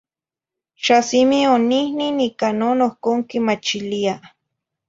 Xa simi onihnin ica non ohcon quimachilia.